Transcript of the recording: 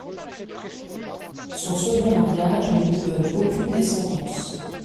Son second mariage ne lui donne aucune descendance.